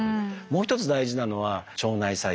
もう一つ大事なのは腸内細菌。